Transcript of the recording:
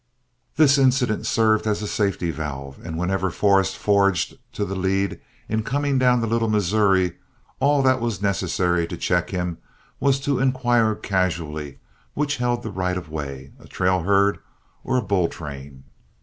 This incident served as a safety valve, and whenever Forrest forged to the lead in coming down the Little Missouri, all that was necessary to check him was to inquire casually which held the right of way, a trail herd or a bull train.